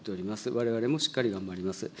われわれもしっかり頑張ります。